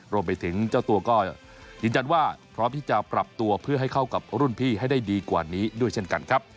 รวมไปถึงเจ้าตัวก็ยืนยันว่าพร้อมที่จะปรับตัวเพื่อให้เข้ากับรุ่นพี่ให้ได้ดีกว่านี้ด้วยเช่นกันครับ